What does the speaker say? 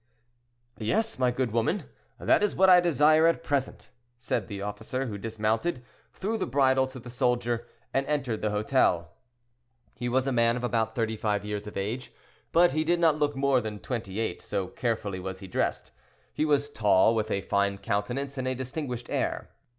"Yes, my good woman, that is what I desire, at present," said the officer, who dismounted, threw the bridle to the soldier, and entered the hotel. He was a man of about thirty five years of age, but he did not look more than twenty eight, so carefully was he dressed. He was tall, with a fine countenance and a distinguished air.